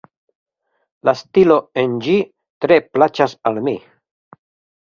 La stilo en ĝi tre plaĉas al mi.